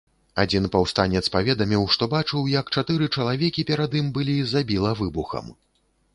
Адзін паўстанец паведаміў, што бачыў як чатыры чалавекі перад ім былі забіла выбухам.